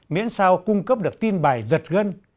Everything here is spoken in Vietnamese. miễn sao cung cấp được tin bài giật gân